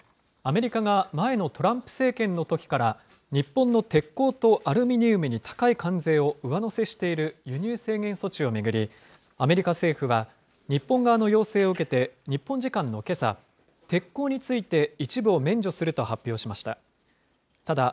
アメリカが前のトランプ政権のときから、日本の鉄鋼とアルミニウムに高い関税を上乗せしている輸入制限措置を巡り、アメリカ政府は日本側の要請を受けて、日本時間のけさ、鉄鋼について一部を免除すると発表しました。